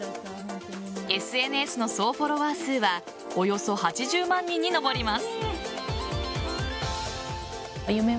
ＳＮＳの総フォロワー数はおよそ８０万人に上ります。